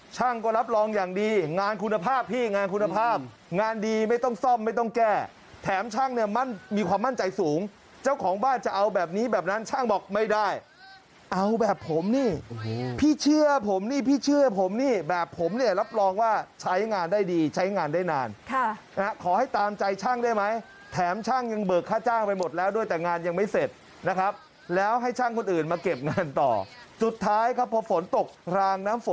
ช่างก็รับรองอย่างดีงานคุณภาพพี่งานคุณภาพงานดีไม่ต้องซ่อมไม่ต้องแก้แถมช่างเนี่ยมันมีความมั่นใจสูงเจ้าของบ้านจะเอาแบบนี้แบบนั้นช่างบอกไม่ได้เอาแบบผมนี่พี่เชื่อผมนี่พี่เชื่อผมนี่แบบผมเนี่ยรับรองว่าใช้งานได้ดีใช้งานได้นานขอให้ตามใจช่างได้ไหมแถมช่างยังเบิกค่าจ้างไปหมดแล้วด้วยแต่งานยั